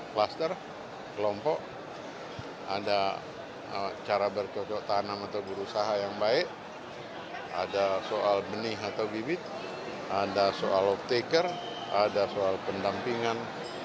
kluster kelompok ada cara bercocok tanam atau berusaha yang baik ada soal benih atau bibit ada soal off taker ada soal pendampingan